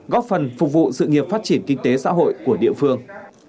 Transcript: góp phần phục vụ sự nghiệp phát triển kinh tế xã hội của địa phương